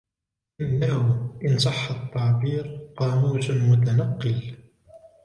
إنه ، إن صح التعبير ، قاموس متنقل.